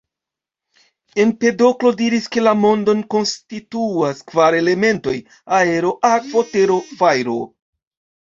Empedoklo diris ke la mondon konstituas kvar elementoj: aero, akvo, tero, fajro.